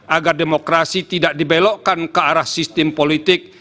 agar demokrasi tidak dibelokkan ke arah sistem politik